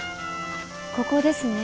ここですね。